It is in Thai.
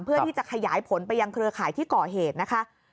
เพื่อที่จะขยายผลไปยังเครือข่ายที่ก่อเหตุนะคะ